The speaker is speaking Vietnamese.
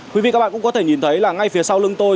quý vị các bạn cũng có thể nhìn thấy là ngay phía sau lưng tôi